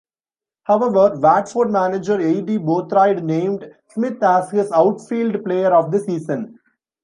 However, Watford manager Aidy Boothroyd named Smith as his outfield player of the season.